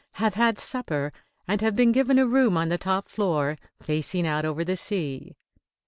Have had supper and have been given a room on the top floor, facing out over the sea.